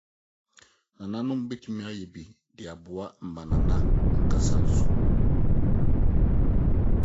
Nananom betumi ayɛ pii de aboa mmanana no ankasa nso.